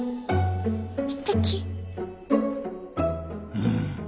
うん。